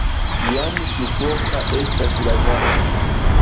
Jam sufoka estas la varmo.